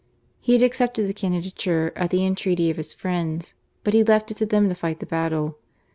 He had accepted the candidature at the entreaty of his friends, but he left it to them to fight the battle.